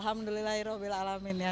alhamdulillah hirau billahulaminya